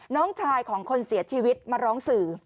น้องชายของคนเสียชีวิตมาร้องสื่อ